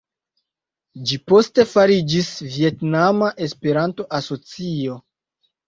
Ĝi poste fariĝis Vjetnama Esperanto-Asocio.